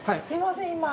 すみません